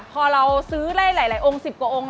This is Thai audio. พอเราซื้อได้หลายองค์๑๐กว่าองค์